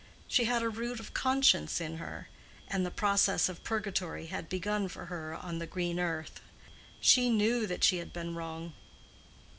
She had a root of conscience in her, and the process of purgatory had begun for her on the green earth: she knew that she had been wrong.